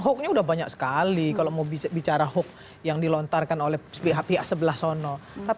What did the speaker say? hoaxnya udah banyak sekali kalau mau bicara hoax yang dilontarkan oleh pihak pihak sebelah